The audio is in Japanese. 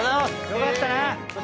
よかったね！